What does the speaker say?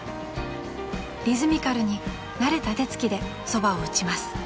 ［リズミカルに慣れた手つきでそばを打ちます］